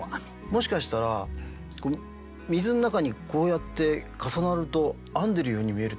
もしかしたら水の中にこうやって重なると編んでるように見えるってことですか？